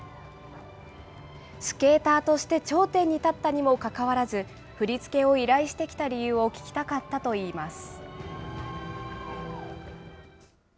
スケーターとして頂点に立ったにもかかわらず、振り付けを依頼してきた理由を聞きたかったといいます。